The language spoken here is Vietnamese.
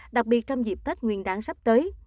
đặc biệt trong dịp tết nguyên đáng sắp tới